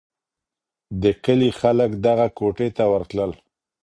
د کلي خلک دغه کوټې ته ورتلل.